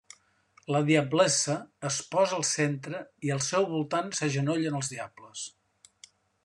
La Diablessa es posa al centre, i al seu voltant s'agenollen els diables.